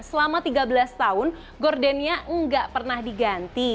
selama tiga belas tahun gordennya nggak pernah diganti